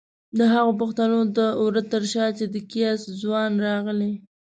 د هغو پښتنو د وره تر شا چې د کېست ځواب راغلی؛